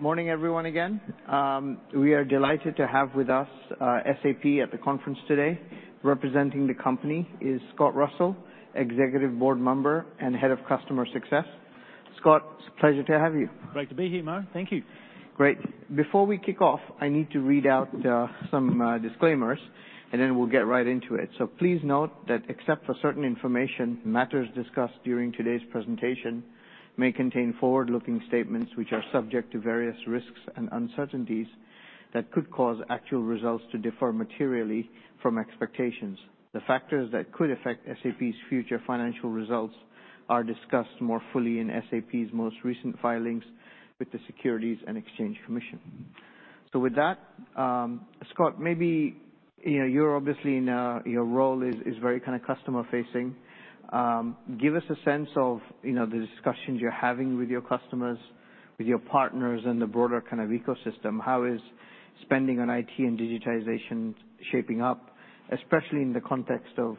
Morning, everyone, again. We are delighted to have with us SAP at the conference today. Representing the company is Scott Russell, Executive Board Member and Head of Customer Success. Scott, it's a pleasure to have you. Great to be here, Amar. Thank you. Great. Before we kick off, I need to read out some disclaimers, and then we'll get right into it. So please note that except for certain information, matters discussed during today's presentation may contain forward-looking statements which are subject to various risks and uncertainties that could cause actual results to differ materially from expectations. The factors that could affect SAP's future financial results are discussed more fully in SAP's most recent filings with the Securities and Exchange Commission. So with that, Scott, maybe, you know, you're obviously in a. Your role is very kind of customer facing. Give us a sense of, you know, the discussions you're having with your customers, with your partners, and the broader kind of ecosystem. How is spending on IT and digitization shaping up, especially in the context of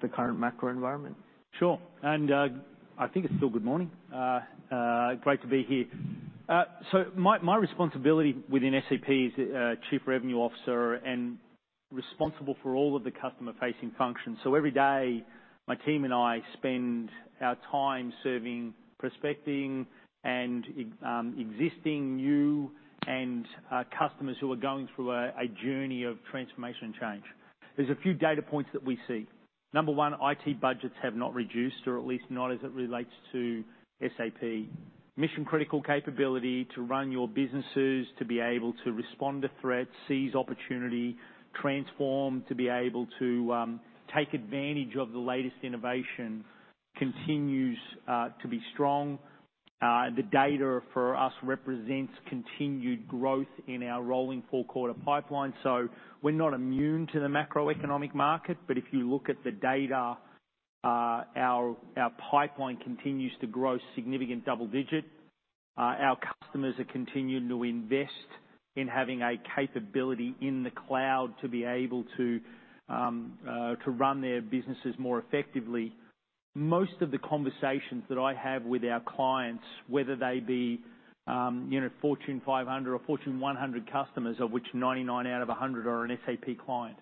the current macro environment? Sure, I think it's still good morning. Great to be here. So my responsibility within SAP is Chief Revenue Officer and responsible for all of the customer-facing functions. So every day, my team and I spend our time serving, prospecting, and existing new and customers who are going through a journey of transformation and change. There's a few data points that we see. Number 1, IT budgets have not reduced, or at least not as it relates to SAP. Mission critical capability to run your businesses, to be able to respond to threats, seize opportunity, transform, to be able to take advantage of the latest innovation, continues to be strong. The data for us represents continued growth in our rolling 4-quarter pipeline. We're not immune to the macroeconomic market, but if you look at the data, our pipeline continues to grow significant double-digit. Our customers are continuing to invest in having a capability in the cloud to be able to run their businesses more effectively. Most of the conversations that I have with our clients, whether they be, you know, Fortune 500 or Fortune 100 customers, of which 99 out of 100 are an SAP client,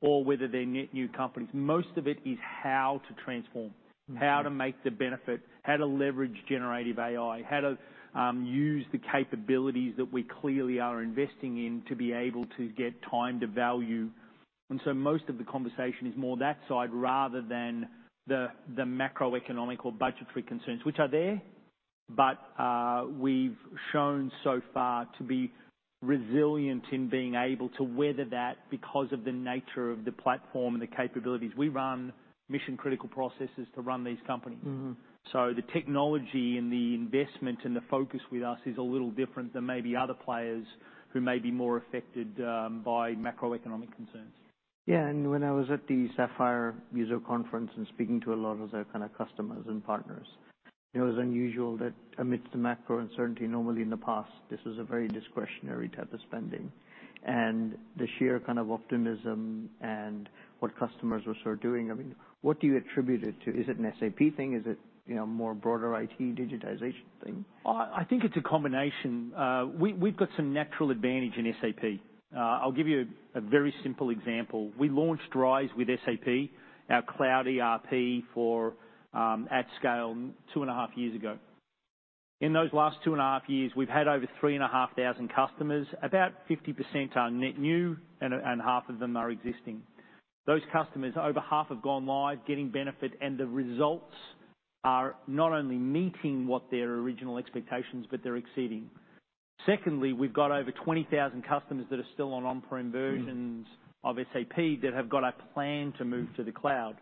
or whether they're net new companies, most of it is how to transform. How to make the benefit, how to leverage generative AI, how to use the capabilities that we clearly are investing in to be able to get time to value. And so most of the conversation is more that side rather than the macroeconomic or budgetary concerns, which are there, but we've shown so far to be resilient in being able to weather that because of the nature of the platform and the capabilities. We run mission-critical processes to run these companies. So the technology and the investment and the focus with us is a little different than maybe other players who may be more affected by macroeconomic concerns. Yeah, and when I was at the Sapphire User Conference and speaking to a lot of their kind of customers and partners, it was unusual that amidst the macro uncertainty, normally in the past, this was a very discretionary type of spending. And the sheer kind of optimism and what customers were sort of doing, I mean, what do you attribute it to? Is it an SAP thing? Is it, you know, more broader IT digitization thing? I think it’s a combination. We’ve got some natural advantage in SAP. I’ll give you a very simple example. We launched RISE with SAP, our Cloud ERP, at scale 2.5 years ago. In those last 2.5 years, we’ve had over 3,500 customers. About 50% are net new, and half of them are existing. Those customers, over half have gone live, getting benefit, and the results are not only meeting what their original expectations, but they’re exceeding. Secondly, we’ve got over 20,000 customers that are still on on-prem versions of SAP that have got a plan to move to the cloud.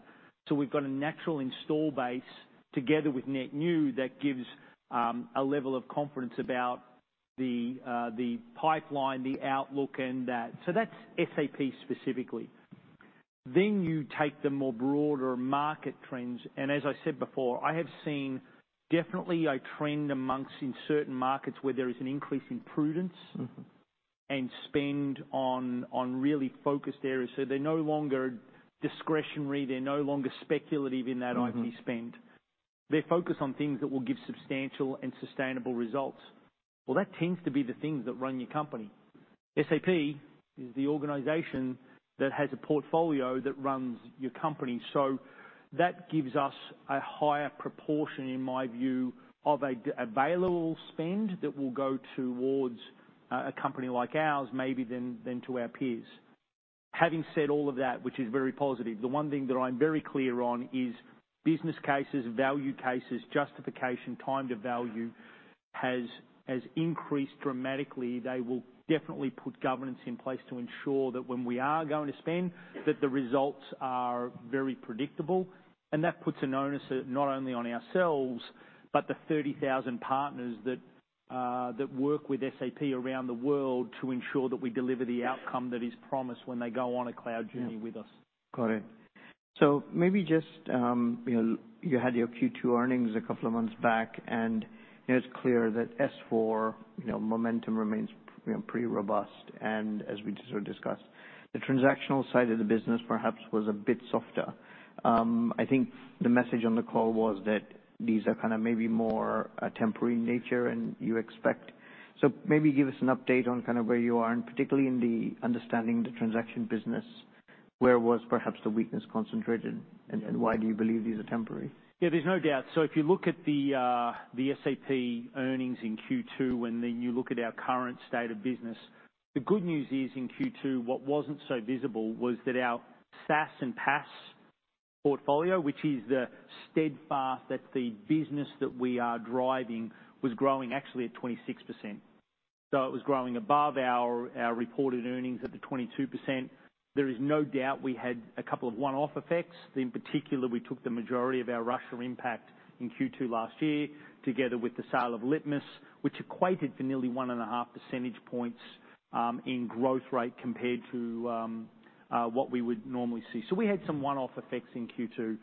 So we've got a natural install base together with net new that gives a level of confidence about the pipeline, the outlook and that. So that's SAP specifically. Then you take the more broader market trends, and as I said before, I have seen definitely a trend among certain markets where there is an increase in prudence and spend on really focused areas. So they're no longer discretionary, they're no longer speculative in that IT spend. They're focused on things that will give substantial and sustainable results. Well, that tends to be the things that run your company. SAP is the organization that has a portfolio that runs your company. So that gives us a higher proportion, in my view, of available spend that will go towards a company like ours, maybe than to our peers. Having said all of that, which is very positive, the one thing that I'm very clear on is business cases, value cases, justification, time to value, has increased dramatically. They will definitely put governance in place to ensure that when we are going to spend, that the results are very predictable. And that puts an onus, not only on ourselves, but the 30,000 partners that, that work with SAP around the world to ensure that we deliver the outcome that is promised when they go on a cloud journey with us. Got it. So maybe just, you know, you had your Q2 earnings a couple of months back, and it's clear that S/4, you know, momentum remains, you know, pretty robust, and as we just sort of discussed, the transactional side of the business perhaps was a bit softer. I think the message on the call was that these are kind of maybe more a temporary nature than you expect. So maybe give us an update on kind of where you are, and particularly in the understanding the transaction business, where was perhaps the weakness concentrated, and why do you believe these are temporary? Yeah, there's no doubt. So if you look at the SAP earnings in Q2, and then you look at our current state of business, the good news is, in Q2, what wasn't so visible was that our SaaS and PaaS portfolio, which is the steadfast, that's the business that we are driving, was growing actually at 26%. So it was growing above our reported earnings at the 22%. There is no doubt we had a couple of one-off effects. In particular, we took the majority of our Russia impact in Q2 last year, together with the sale of Litmos, which equated to nearly 1.5 percentage points in growth rate compared to what we would normally see. So we had some one-off effects in Q2,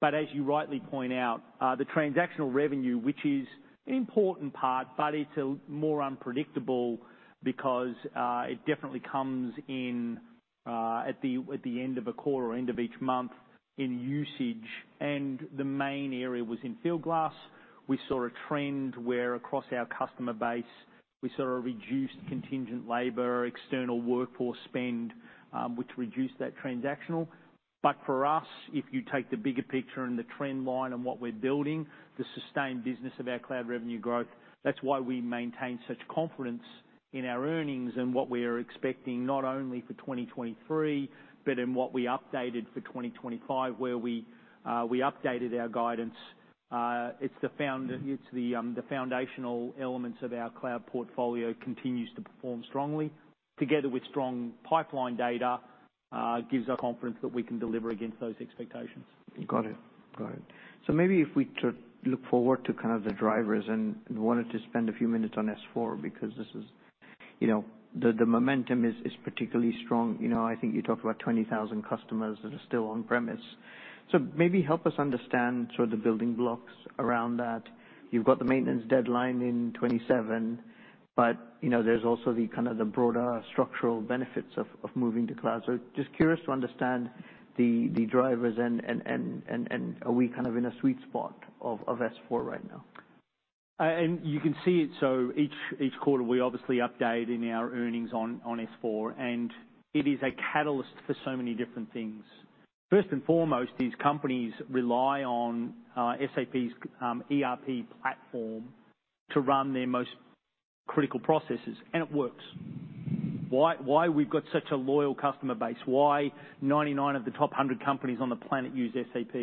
but as you rightly point out, the transactional revenue, which is an important part, but it's more unpredictable because it definitely comes in at the end of a quarter or end of each month in usage, and the main area was in Fieldglass. We saw a trend where across our customer base, we saw a reduced contingent labor, external workforce spend, which reduced that transactional. But for us, if you take the bigger picture and the trend line on what we're building, the sustained business of our cloud revenue growth, that's why we maintain such confidence in our earnings and what we are expecting, not only for 2023, but in what we updated for 2025, where we updated our guidance. It's the foundational elements of our cloud portfolio continues to perform strongly, together with strong pipeline data, gives us confidence that we can deliver against those expectations. Got it. Got it. So maybe if we could look forward to kind of the drivers and wanted to spend a few minutes on S/4, because this is, you know, the, the momentum is, is particularly strong. You know, I think you talked about 20,000 customers that are still on-premise. So maybe help us understand sort of the building blocks around that. You've got the maintenance deadline in 2027, but, you know, there's also the kind of the broader structural benefits of, of moving to cloud. So just curious to understand the, the drivers and, and, and, and, and are we kind of in a sweet spot of, of S/4 right now? And you can see it, so each quarter, we obviously update in our earnings on S/4, and it is a catalyst for so many different things. First and foremost, these companies rely on SAP's ERP platform to run their most critical processes, and it works. Why we've got such a loyal customer base, why 99 of the top 100 companies on the planet use SAP,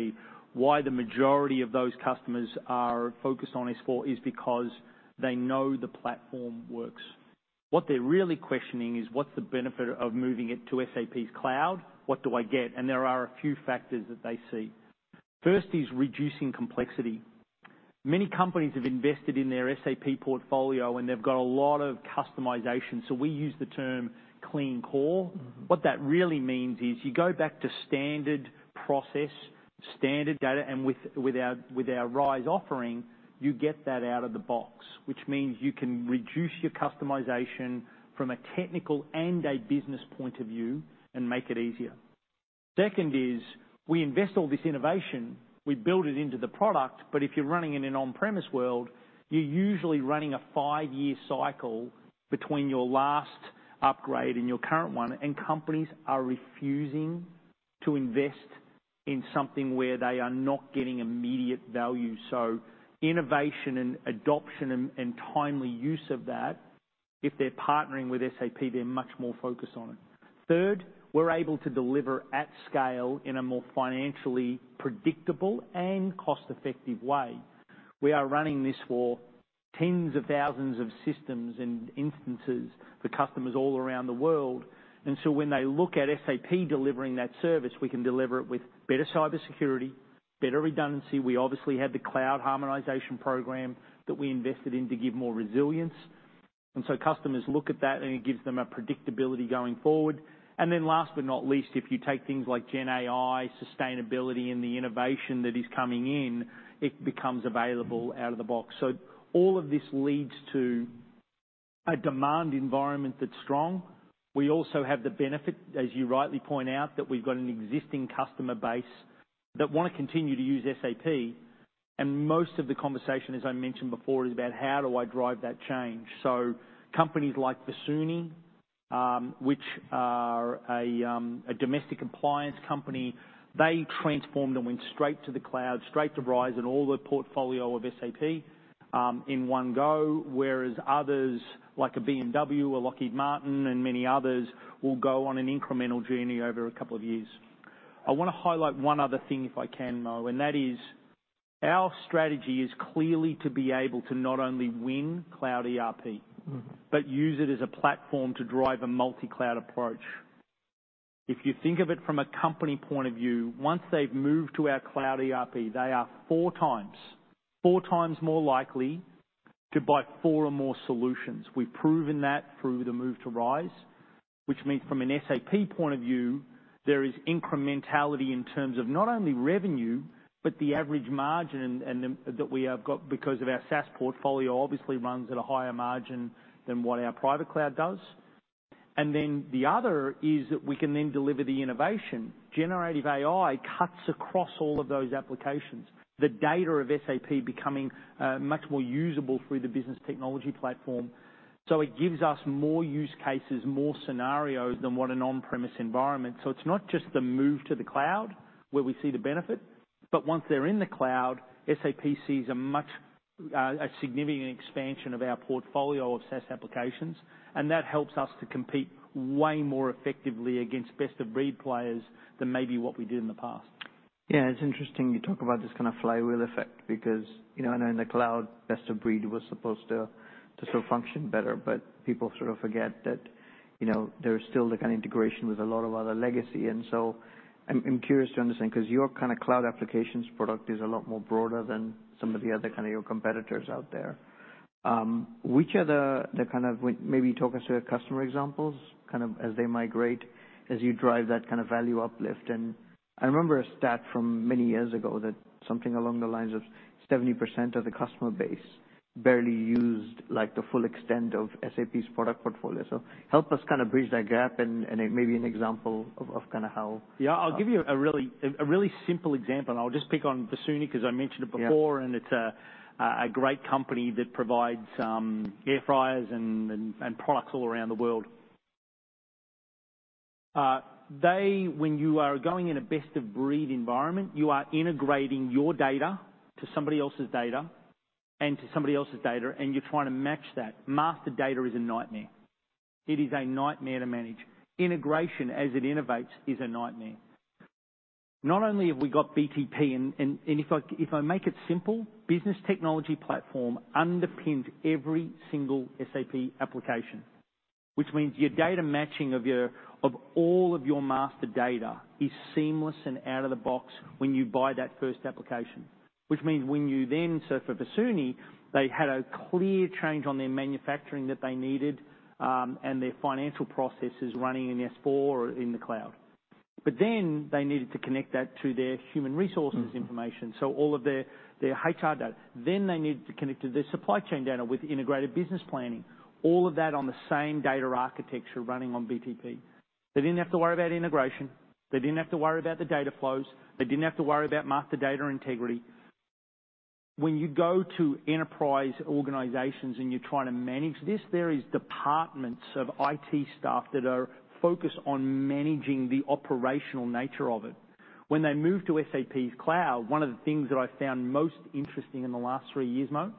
why the majority of those customers are focused on S/4, is because they know the platform works. What they're really questioning is, what's the benefit of moving it to SAP's cloud? What do I get? And there are a few factors that they see. First is reducing complexity. Many companies have invested in their SAP portfolio, and they've got a lot of customization, so we use the term clean core. What that really means is you go back to standard process, standard data, and with, with our, with our RISE offering, you get that out of the box, which means you can reduce your customization from a technical and a business point of view and make it easier. Second is, we invest all this innovation, we build it into the product, but if you're running in an on-premise world, you're usually running a five-year cycle between your last upgrade and your current one, and companies are refusing to invest in something where they are not getting immediate value. So innovation and adoption and, and timely use of that, if they're partnering with SAP, they're much more focused on it. Third, we're able to deliver at scale in a more financially predictable and cost-effective way. We are running this for tens of thousands of systems and instances for customers all around the world, and so when they look at SAP delivering that service, we can deliver it with better cybersecurity, better redundancy. We obviously have the Cloud Harmonization Program that we invested in to give more resilience. And so customers look at that, and it gives them a predictability going forward. And then last but not least, if you take things like GenAI, sustainability, and the innovation that is coming in, it becomes available out of the box. So all of this leads to a demand environment that's strong. We also have the benefit, as you rightly point out, that we've got an existing customer base that want to continue to use SAP, and most of the conversation, as I mentioned before, is about how do I drive that change? So companies like Versuni, which is a domestic appliances company, they transformed and went straight to the cloud, straight to RISE with SAP and all the portfolio of SAP in one go, whereas others, like a BMW, a Lockheed Martin, and many others, will go on an incremental journey over a couple of years. I want to highlight one other thing, if I can, Mo, and that is, our strategy is clearly to be able to not only win cloud ERP. But use it as a platform to drive a multicloud approach. If you think of it from a company point of view, once they've moved to our Cloud ERP, they are four times, four times more likely to buy four or more solutions. We've proven that through the move to RISE, which means from an SAP point of view, there is incrementality in terms of not only revenue, but the average margin and, and the, that we have got because of our SaaS portfolio obviously runs at a higher margin than what our private cloud does. And then the other is that we can then deliver the innovation. Generative AI cuts across all of those applications, the data of SAP becoming much more usable through the Business Technology Platform. So it gives us more use cases, more scenarios than what an on-premise environment. So it's not just the move to the cloud where we see the benefit, but once they're in the cloud, SAP sees a significant expansion of our portfolio of SaaS applications, and that helps us to compete way more effectively against best-of-breed players than maybe what we did in the past. Yeah, it's interesting you talk about this kind of flywheel effect because, you know, I know in the cloud, best of breed was supposed to, to sort of function better, but people sort of forget that, you know, there's still the kind of integration with a lot of other legacy. And so I'm curious to understand, 'cause your kind of cloud applications product is a lot more broader than some of the other kind of your competitors out there. Which are the kind of, maybe talk us through the customer examples, kind of, as they migrate, as you drive that kind of value uplift? And I remember a stat from many years ago, that something along the lines of 70% of the customer base barely used, like, the full extent of SAP's product portfolio. So help us kind of bridge that gap and maybe an example of kind of how. Yeah, I'll give you a really, a really simple example, and I'll just pick on Versuni, 'cause I mentioned it before. It's a great company that provides air fryers and products all around the world. They, when you are going in a best-of-breed environment, you are integrating your data to somebody else's data and to somebody else's data, and you're trying to match that. Master data is a nightmare. It is a nightmare to manage. Integration, as it innovates, is a nightmare. Not only have we got BTP, and if I make it simple, Business Technology Platform underpins every single SAP application, which means your data matching of all of your master data is seamless and out of the box when you buy that first application. Which means when you then. So for Versuni, they had a clear change on their manufacturing that they needed, and their financial processes running in S/4 in the cloud. But then they needed to connect that to their human resources information, so all of their, their HR data. Then they needed to connect to their supply chain data with Integrated Business Planning, all of that on the same data architecture running on BTP. They didn't have to worry about integration. They didn't have to worry about the data flows. They didn't have to worry about master data integrity. When you go to enterprise organizations and you're trying to manage this, there is departments of IT staff that are focused on managing the operational nature of it. When they moved to SAP's cloud, one of the things that I found most interesting in the last three years, Mo,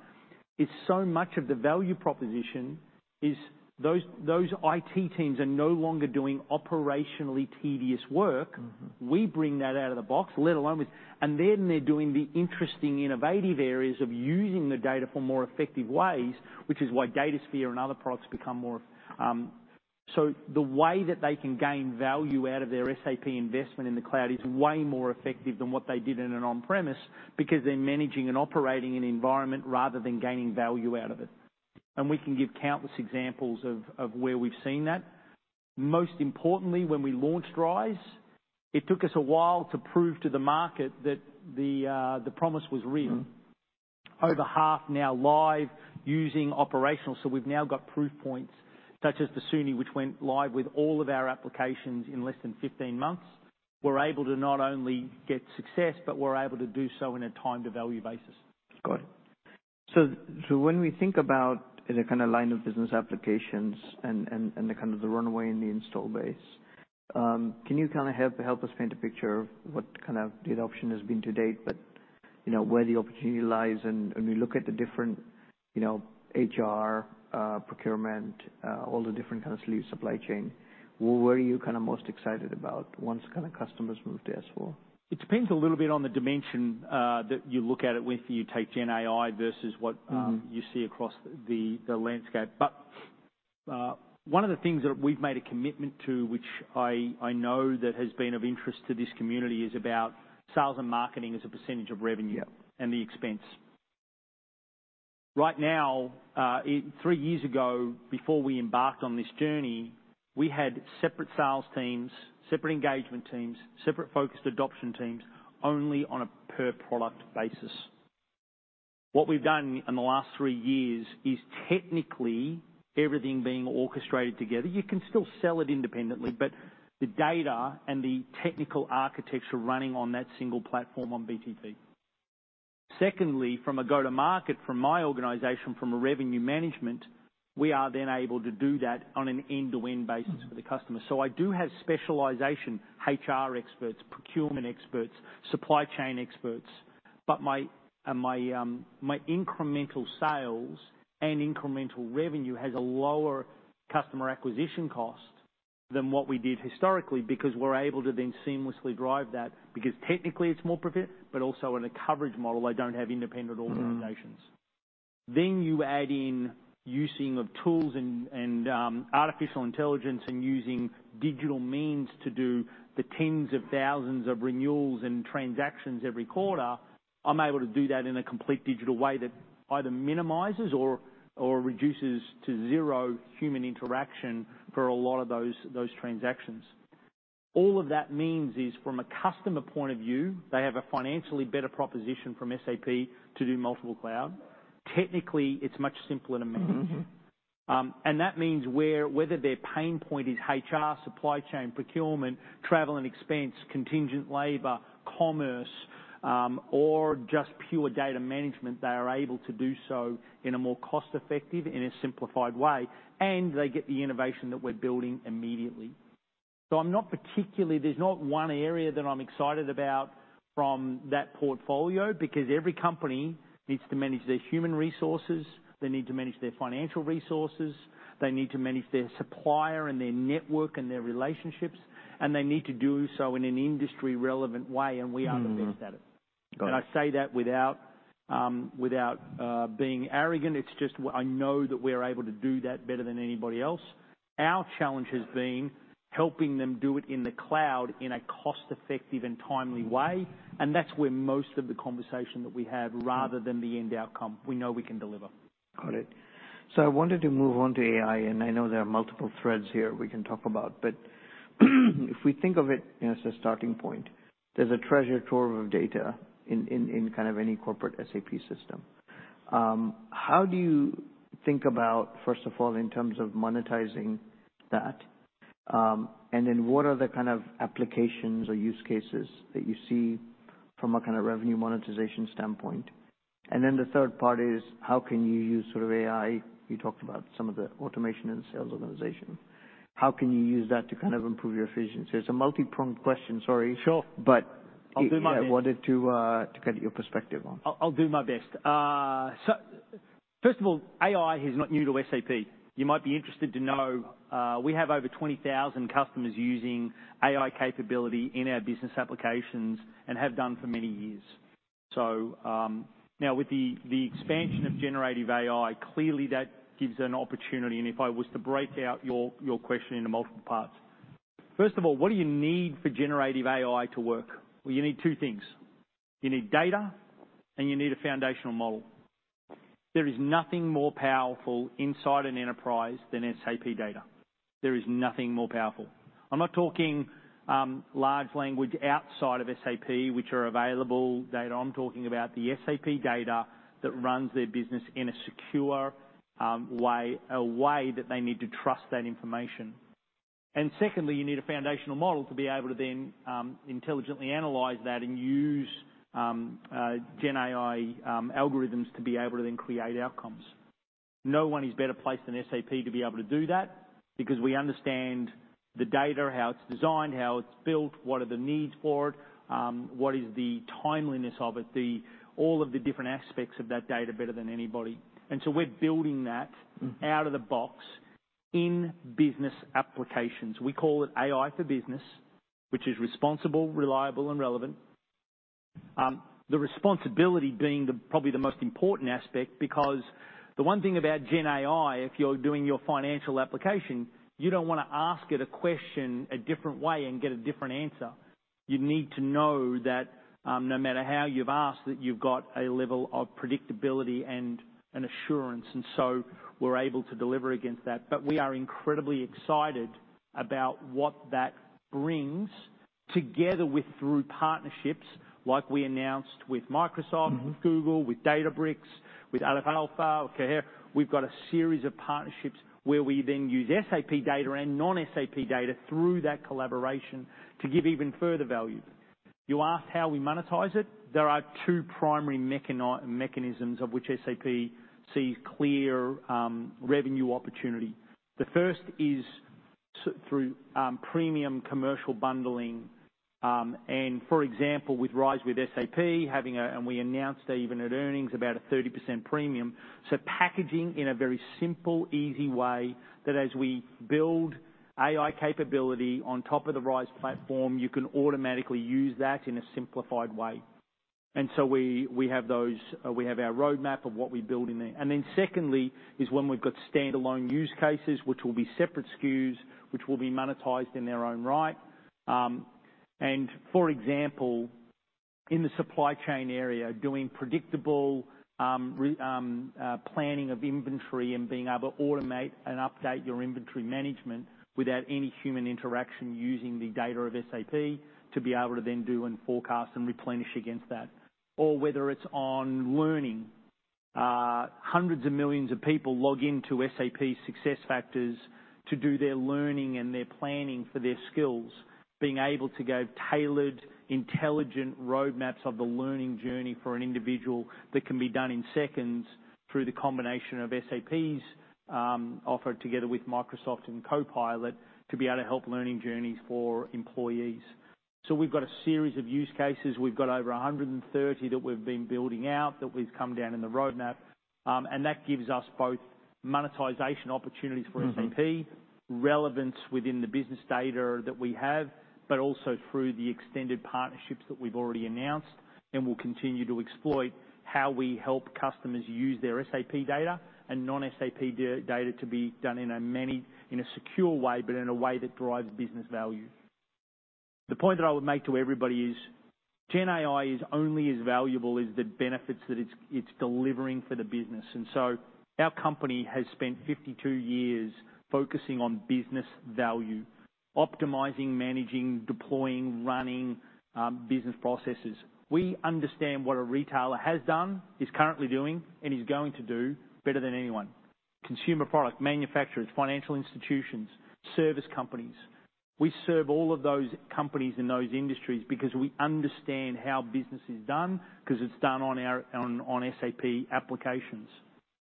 is so much of the value proposition is those, those IT teams are no longer doing operationally tedious work. We bring that out of the box, let alone with. And then they're doing the interesting, innovative areas of using the data for more effective ways, which is why Datasphere and other products become more. So the way that they can gain value out of their SAP investment in the cloud is way more effective than what they did in an on-premises, because they're managing and operating an environment rather than gaining value out of it. And we can give countless examples of where we've seen that. Most importantly, when we launched RISE, it took us a while to prove to the market that the promise was real. Over half now live using operational, so we've now got proof points such as Versuni, which went live with all of our applications in less than 15 months. We're able to not only get success, but we're able to do so in a time-to-value basis. Got it. So when we think about the kind of line of business applications and the kind of the runway in the install base, can you kind of help us paint a picture of what kind of the adoption has been to date, but you know, where the opportunity lies? And we look at the different, you know, HR, procurement, all the different kind of solutions, supply chain, where are you kind of most excited about once kind of customers move to S/4? It depends a little bit on the dimension, that you look at it with. You take GenAI versus what you see across the landscape. But, one of the things that we've made a commitment to, which I know that has been of interest to this community, is about sales and marketing as a percentage of revenue. Yeah. And the expense. Right now, three years ago, before we embarked on this journey, we had separate sales teams, separate engagement teams, separate focused adoption teams, only on a per product basis. What we've done in the last three years is technically everything being orchestrated together. You can still sell it independently, but the data and the technical architecture running on that single platform on BTP. Secondly, from a go-to-market, from my organization, from a revenue management, we are then able to do that on an end-to-end basis for the customer. So I do have specialization, HR experts, procurement experts, supply chain experts, but my incremental sales and incremental revenue has a lower customer acquisition cost than what we did historically, because we're able to then seamlessly drive that, because technically it's more perfect, but also in a coverage model, I don't have independent organizations. Then you add in using of tools and artificial intelligence and using digital means to do the tens of thousands of renewals and transactions every quarter, I'm able to do that in a complete digital way that either minimizes or reduces to zero human interaction for a lot of those transactions. All of that means is, from a customer point of view, they have a financially better proposition from SAP to do multiple cloud. Technically, it's much simpler to manage. And that means where whether their pain point is HR, supply chain, procurement, travel and expense, contingent labor, commerce, or just pure data management, they are able to do so in a more cost-effective and a simplified way, and they get the innovation that we're building immediately. So I'm not particularly. There's not one area that I'm excited about from that portfolio, because every company needs to manage their human resources, they need to manage their financial resources, they need to manage their supplier and their network and their relationships, and they need to do so in an industry-relevant way, and we are the best at it. Got it. I say that without being arrogant. It's just, I know that we're able to do that better than anybody else. Our challenge has been helping them do it in the cloud in a cost-effective and timely way, and that's where most of the conversation that we have, rather than the end outcome. We know we can deliver. Got it. So I wanted to move on to AI, and I know there are multiple threads here we can talk about. But, if we think of it, you know, as a starting point, there's a treasure trove of data in kind of any corporate SAP system. How do you think about, first of all, in terms of monetizing that? And then what are the kind of applications or use cases that you see from a kind of revenue monetization standpoint? And then the third part is, how can you use sort of AI? You talked about some of the automation and sales organization. How can you use that to kind of improve your efficiency? It's a multipronged question, sorry. Sure. But. I'll do my best. I wanted to get your perspective on. I'll do my best. So first of all, AI is not new to SAP. You might be interested to know, we have over 20,000 customers using AI capability in our business applications and have done for many years. So, now with the expansion of generative AI, clearly that gives an opportunity, and if I was to break out your question into multiple parts. First of all, what do you need for generative AI to work? Well, you need two things. You need data, and you need a foundational model. There is nothing more powerful inside an enterprise than SAP data. There is nothing more powerful. I'm not talking large language outside of SAP, which are available data. I'm talking about the SAP data that runs their business in a secure way, a way that they need to trust that information. And secondly, you need a foundational model to be able to then intelligently analyze that and use GenAI algorithms to be able to then create outcomes. No one is better placed than SAP to be able to do that because we understand the data, how it's designed, how it's built, what are the needs for it, what is the timeliness of it, all of the different aspects of that data better than anybody. And so we're building that out of the box in business applications. We call it AI for business, which is responsible, reliable, and relevant. The responsibility being the, probably the most important aspect, because the one thing about GenAI, if you're doing your financial application, you don't want to ask it a question a different way and get a different answer. You need to know that, no matter how you've asked, that you've got a level of predictability and an assurance, and so we're able to deliver against that. But we are incredibly excited about what that brings together with through partnerships like we announced with Microsoft. with Google, with Databricks, with Aleph Alpha, Cohere. We've got a series of partnerships where we then use SAP data and non-SAP data through that collaboration to give even further value. You asked how we monetize it. There are two primary mechanisms of which SAP sees clear revenue opportunity. The first is through premium commercial bundling, and for example, with RISE with SAP, having a. And we announced even at earnings about a 30% premium. So packaging in a very simple, easy way that as we build AI capability on top of the RISE platform, you can automatically use that in a simplified way. And so we, we have those, we have our roadmap of what we build in there. And then secondly, is when we've got standalone use cases, which will be separate SKUs, which will be monetized in their own right. For example, in the supply chain area, doing predictable planning of inventory and being able to automate and update your inventory management without any human interaction, using the data of SAP to be able to then do and forecast and replenish against that. Or whether it's on learning. Hundreds of millions of people log into SAP SuccessFactors to do their learning and their planning for their skills, being able to give tailored, intelligent roadmaps of the learning journey for an individual that can be done in seconds through the combination of SAP's offer together with Microsoft and Copilot, to be able to help learning journeys for employees. So we've got a series of use cases. We've got over 130 that we've been building out, that we've come down in the roadmap. And that gives us both monetization opportunities for SAP, relevance within the business data that we have, but also through the extended partnerships that we've already announced and will continue to exploit, how we help customers use their SAP data and non-SAP data in a manner in a secure way, but in a way that drives business value. The point that I would make to everybody is, GenAI is only as valuable as the benefits that it's delivering for the business. And so our company has spent 52 years focusing on business value, optimizing, managing, deploying, running, business processes. We understand what a retailer has done, is currently doing, and is going to do better than anyone. Consumer product manufacturers, financial institutions, service companies. We serve all of those companies in those industries because we understand how business is done, 'cause it's done on our SAP applications.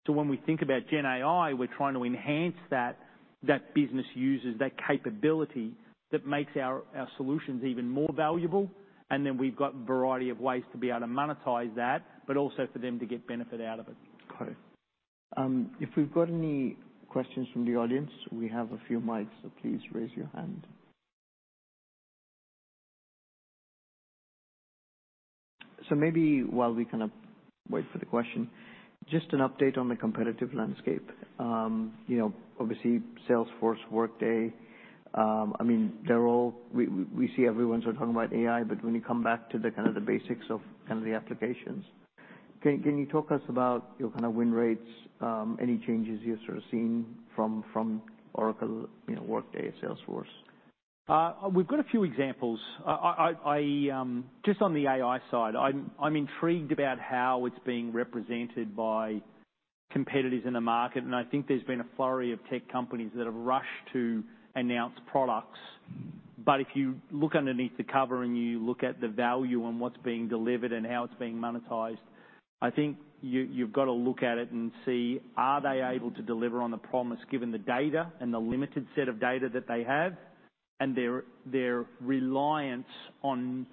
So when we think about GenAI, we're trying to enhance that business users' capability that makes our solutions even more valuable, and then we've got a variety of ways to be able to monetize that, but also for them to get benefit out of it. Got it. If we've got any questions from the audience, we have a few mics, so please raise your hand. So maybe while we kind of wait for the question, just an update on the competitive landscape. You know, obviously, Salesforce, Workday, I mean, they're all, we see everyone sort of talking about AI, but when you come back to the kind of the basics of, kind of, the applications, can you talk us about your kind of win rates, any changes you've sort of seen from, from Oracle, you know, Workday, Salesforce? We've got a few examples. Just on the AI side, I'm intrigued about how it's being represented by competitors in the market, and I think there's been a flurry of tech companies that have rushed to announce products. But if you look underneath the cover and you look at the value on what's being delivered and how it's being monetized, I think you've got to look at it and see, are they able to deliver on the promise, given the data and the limited set of data that they have, and their reliance on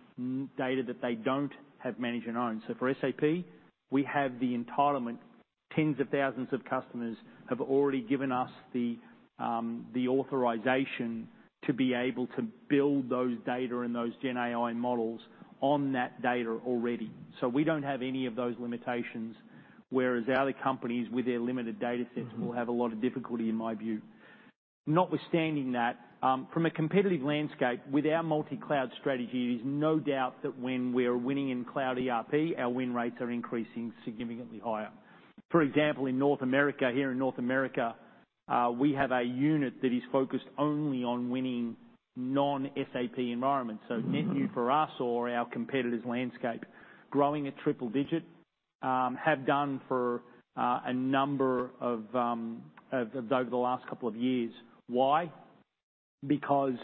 data that they don't have, manage and own? So for SAP, we have the entitlement. Tens of thousands of customers have already given us the authorization to be able to build those data and those GenAI models on that data already. So we don't have any of those limitations, whereas other companies with their limited datasets will have a lot of difficulty, in my view. Notwithstanding that, from a competitive landscape, with our multicloud strategy, it is no doubt that when we're winning in cloud ERP, our win rates are increasing significantly higher. For example, in North America, here in North America, we have a unit that is focused only on winning non-SAP environments. So net new for us or our competitors' landscape, growing at triple-digit over the last couple of years. Why? Because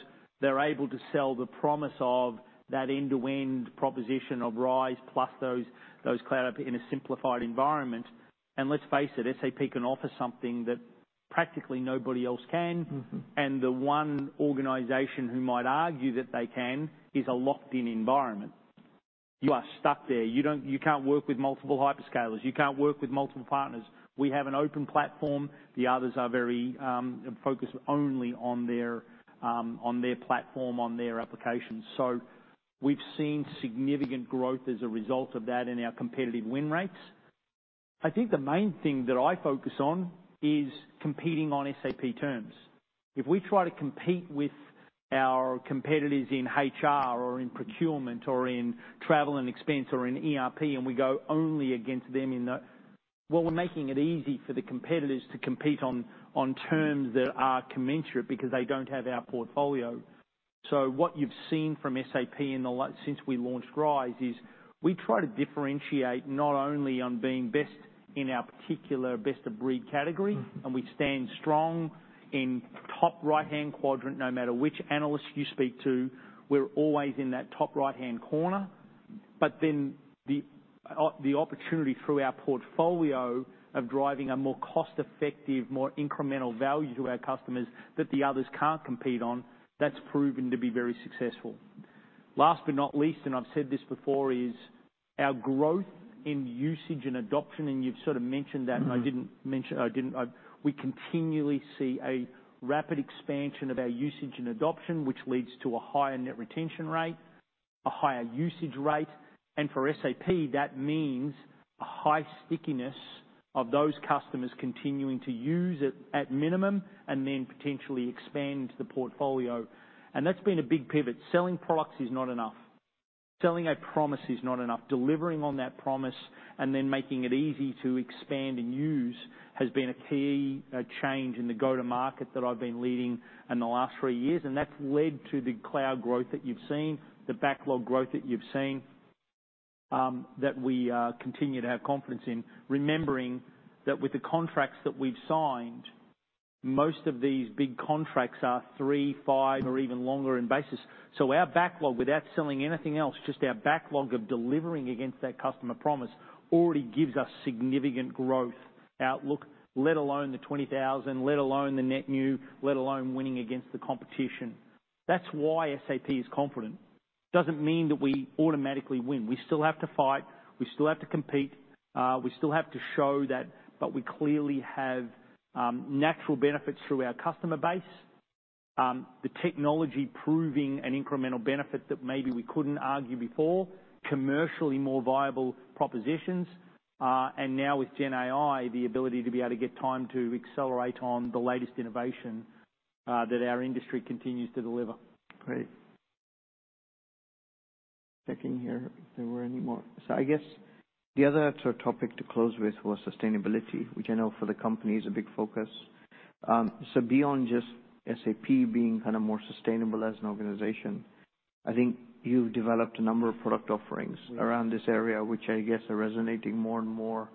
they're able to sell the promise of that end-to-end proposition of RISE, plus those cloud apps in a simplified environment. And let's face it, SAP can offer something that practically nobody else can. The one organization who might argue that they can is a locked-in environment. You are stuck there. You can't work with multiple hyperscalers. You can't work with multiple partners. We have an open platform. The others are very focused only on their platform, on their applications. So we've seen significant growth as a result of that in our competitive win rates. I think the main thing that I focus on is competing on SAP terms. If we try to compete with our competitors in HR or in procurement, or in travel and expense, or in ERP, and we go only against them. Well, we're making it easy for the competitors to compete on terms that are commensurate because they don't have our portfolio. So what you've seen from SAP since we launched RISE is we try to differentiate not only on being best in our particular best-of-breed categories, and we stand strong in top right-hand quadrant, no matter which analyst you speak to, we're always in that top right-hand corner. But then the opportunity through our portfolio of driving a more cost-effective, more incremental value to our customers that the others can't compete on, that's proven to be very successful. Last but not least, and I've said this before, is our growth in usage and adoption, and you've sort of mentioned that. We continually see a rapid expansion of our usage and adoption, which leads to a higher net retention rate, a higher usage rate, and for SAP, that means a high stickiness of those customers continuing to use it at minimum, and then potentially expand the portfolio. And that's been a big pivot. Selling products is not enough. Selling a promise is not enough. Delivering on that promise and then making it easy to expand and use has been a key change in the go-to-market that I've been leading in the last three years, and that's led to the cloud growth that you've seen, the backlog growth that you've seen, that we continue to have confidence in. Remembering that with the contracts that we've signed, most of these big contracts are three, five, or even longer in basis. So our backlog, without selling anything else, just our backlog of delivering against that customer promise, already gives us significant growth outlook, let alone the 20,000, let alone the net new, let alone winning against the competition. That's why SAP is confident, doesn't mean that we automatically win. We still have to fight, we still have to compete, we still have to show that. But we clearly have natural benefits through our customer base. The technology proving an incremental benefit that maybe we couldn't argue before, commercially more viable propositions. And now with GenAI, the ability to be able to get time to accelerate on the latest innovation, that our industry continues to deliver. Great. Checking here if there were any more. So I guess the other sort of topic to close with was sustainability, which I know for the company is a big focus. So beyond just SAP being kind of more sustainable as an organization, I think you've developed a number of product offerings-around this area, which I guess are resonating more and more.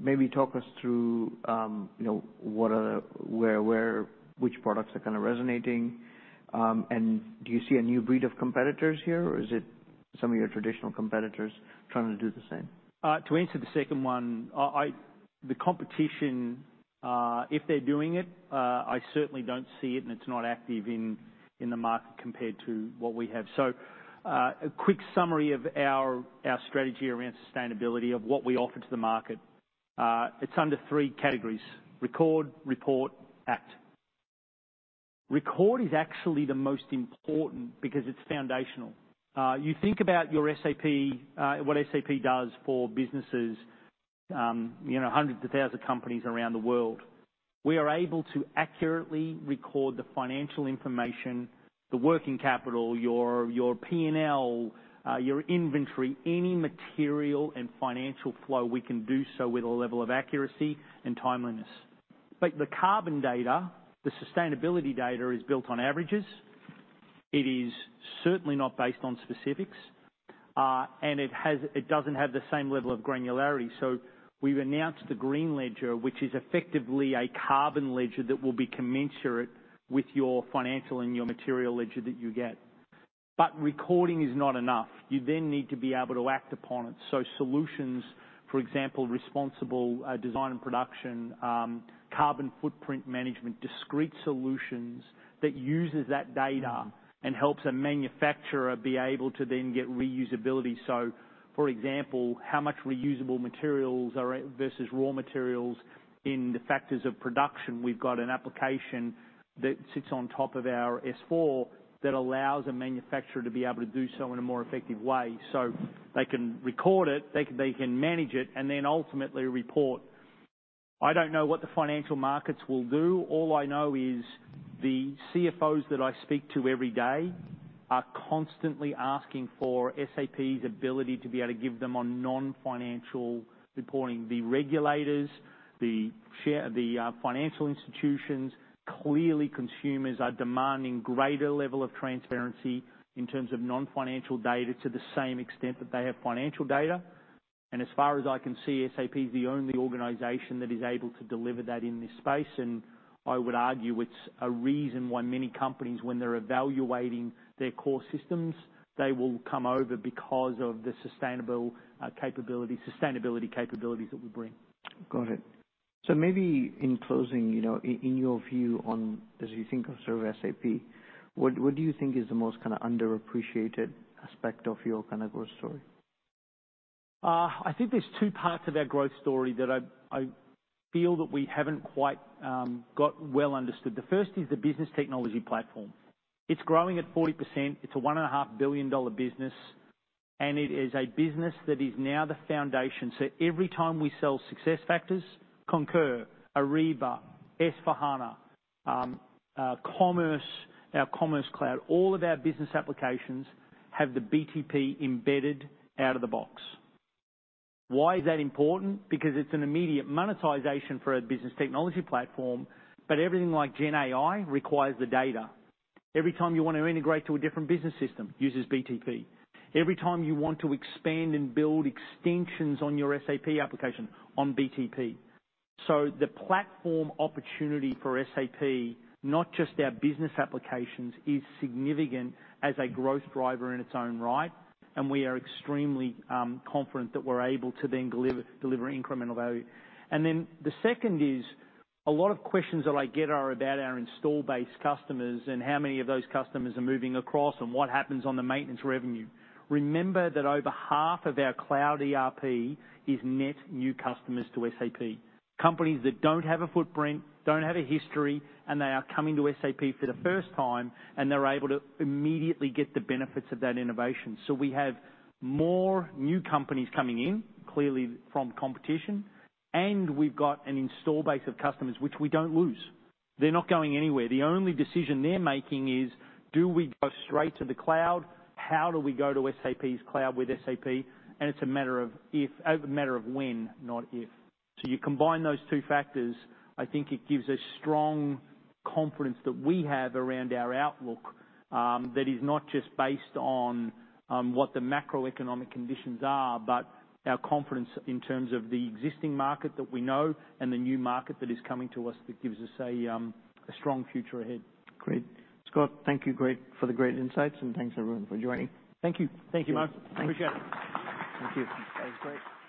Maybe talk us through, you know, what are the—where, which products are kind of resonating? And do you see a new breed of competitors here, or is it some of your traditional competitors trying to do the same? To answer the second one, the competition, if they're doing it, I certainly don't see it, and it's not active in the market compared to what we have. So, a quick summary of our strategy around sustainability, of what we offer to the market. It's under three categories: record, report, act. Record is actually the most important because it's foundational. You think about your SAP, what SAP does for businesses, you know, hundreds of thousand companies around the world. We are able to accurately record the financial information, the working capital, your P&L, your inventory. Any material and financial flow, we can do so with a level of accuracy and timeliness. But the carbon data, the sustainability data, is built on averages. It is certainly not based on specifics, and it has. It doesn't have the same level of granularity. So we've announced the Green Ledger, which is effectively a carbon ledger that will be commensurate with your financial and your material ledger that you get. But recording is not enough. You then need to be able to act upon it. So solutions, for example, Responsible Design and Production, Carbon Footprint Management, discrete solutions that uses that data and helps a manufacturer be able to then get reusability. So for example, how much reusable materials are versus raw materials in the factors of production? We've got an application that sits on top of our S/4 that allows a manufacturer to be able to do so in a more effective way. So they can record it, they can manage it, and then ultimately report. I don't know what the financial markets will do. All I know is the CFOs that I speak to every day are constantly asking for SAP's ability to be able to give them on non-financial reporting. The regulators, the shareholders, financial institutions, clearly, consumers are demanding greater level of transparency in terms of non-financial data to the same extent that they have financial data. And as far as I can see, SAP is the only organization that is able to deliver that in this space. And I would argue it's a reason why many companies, when they're evaluating their core systems, they will come over because of the sustainable capability, sustainability capabilities that we bring. Got it. So maybe in closing, you know, in your view on, as you think of sort of SAP, what, what do you think is the most kind of underappreciated aspect of your kind of growth story? I think there's two parts of our growth story that I feel that we haven't quite got well understood. The first is the Business Technology Platform. It's growing at 40%. It's a $1.5 billion business, and it is a business that is now the foundation. So every time we sell SuccessFactors, Concur, Ariba, S/4HANA, Commerce, our Commerce Cloud, all of our business applications have the BTP embedded out of the box. Why is that important? Because it's an immediate monetization for a Business Technology Platform. But everything like GenAI requires the data. Every time you want to integrate to a different business system, uses BTP. Every time you want to expand and build extensions on your SAP application, on BTP. So the platform opportunity for SAP, not just our business applications, is significant as a growth driver in its own right, and we are extremely confident that we're able to then deliver incremental value. Then the second is, a lot of questions that I get are about our install base customers and how many of those customers are moving across, and what happens on the maintenance revenue. Remember that over half of our cloud ERP is net new customers to SAP. Companies that don't have a footprint, don't have a history, and they are coming to SAP for the first time, and they're able to immediately get the benefits of that innovation. So we have more new companies coming in, clearly from competition, and we've got an install base of customers which we don't lose. They're not going anywhere. The only decision they're making is: Do we go straight to the cloud? How do we go to SAP's cloud with SAP? And it's a matter of if, a matter of when, not if. So you combine those two factors, I think it gives a strong confidence that we have around our outlook, that is not just based on, what the macroeconomic conditions are, but our confidence in terms of the existing market that we know and the new market that is coming to us, that gives us a, a strong future ahead. Great! Scott, thank you, great, for the great insights, and thanks everyone for joining. Thank you. Thank you, Mo. Thanks. Appreciate it. Thank you. That was great.